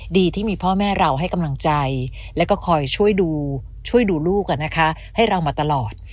ดีที่มีพ่อแม่เราให้กำลังใจแล้วก็คอยช่วยดูลูกให้เรามาตลอด